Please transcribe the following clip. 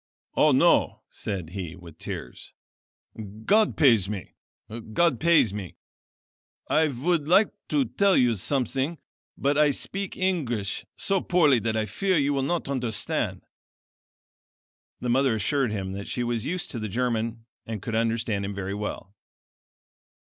"Oh, no," said he with tears, "God pays me! God pays me! I would like to tell you something, but I speak English so poorly that I fear you will not understand." The mother assured him that she was used to the German and could understand him very well.